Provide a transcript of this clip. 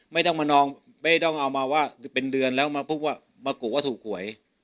ไม่ต้องมานองไม่ต้องเอามาว่าเป็นเดือนแล้วมาพูดว่ามากุว่าถูกหวย